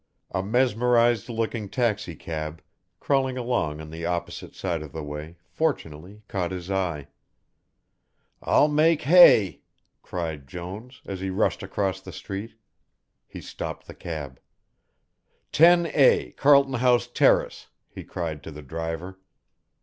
A mesmerised looking taxi cab, crawling along on the opposite side of the way, fortunately caught his eye. "I'll make hay!" cried Jones, as he rushed across the street. He stopped the cab. "10A, Carlton House Terrace," he cried to the driver.